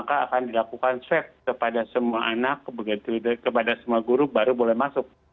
maka akan dilakukan swab kepada semua anak kepada semua guru baru boleh masuk